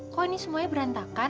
kok ini semuanya berantakan